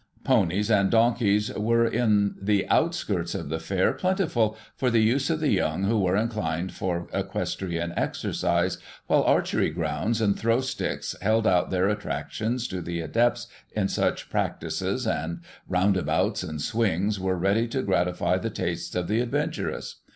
Ponies cind donkeys were^ in the outskirts of the fair, plentiful, for the use of the young who were inclined for equestrian exercise, while archery grounds and throw sticks held out their attractions to the adepts in such practices, and roundabouts and swings were ready to gratify the tastes of the adventurous.